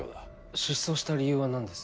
失踪した理由は何です？